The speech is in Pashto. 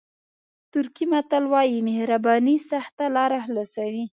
ترکي متل وایي مهرباني سخته لاره خلاصوي.